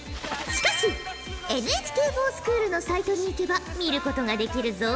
しかしＮＨＫｆｏｒＳｃｈｏｏｌのサイトに行けば見ることができるぞ！